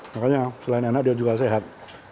makanya selain enak dia juga sehat